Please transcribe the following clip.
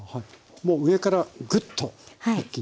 もう上からグッと一気に。